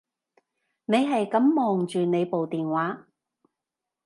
你係噉望住你部電話